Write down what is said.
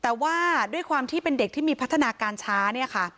แต่ว่าด้วยความที่เป็นเด็กที่มีพัฒนาการช้าเนี่ยค่ะ